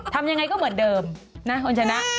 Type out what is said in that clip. ทำยังไงก็เหมือนเดิมนะคุณชนะ